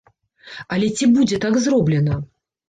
Але ці будзе так зроблена?